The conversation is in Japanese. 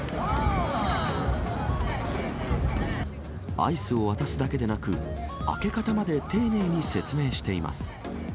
アイスを渡すだけでなく、開け方まで丁寧に説明しています。